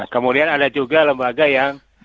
kemudian ada juga lembaga yang